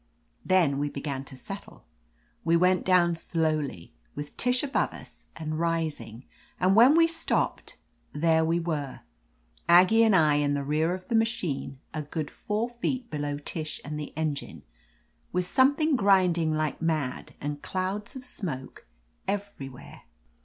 Then we began to settle. We went down slowly, with Tish above us and rising; and when we stopped, there we were, Aggie and I and the rear of the machine, a good four feet below Tish and the engine, with something grinding like mad and clouds of smoke ever5rwhere.